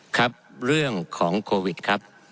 ครับเรื่องของโควิดครับ